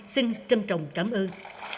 xin trân trọng cảm ơn